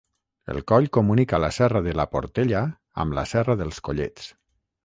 El coll comunica la Serra de la Portella amb la Serra dels Collets.